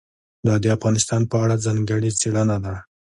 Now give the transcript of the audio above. دا د افغانستان په اړه ځانګړې څېړنه ده.